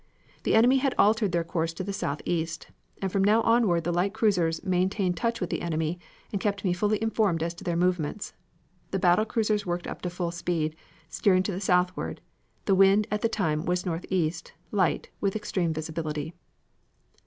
The enemy had altered their course to southeast; from now onward the light cruisers maintained touch with the enemy and kept me fully informed as to their movements. The battle cruisers worked up to full speed, steering to the southward; the wind at the time was northeast, light, with extreme visibility.